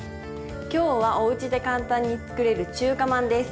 今日はおうちで簡単に作れる中華まんです。